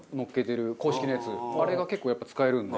あれが結構やっぱ使えるんで。